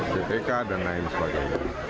dtk dan lain sebagainya